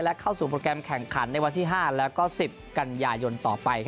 และเข้าสู่โปรแกรมแข่งขันในวันที่๕แล้วก็๑๐กันยายนต่อไป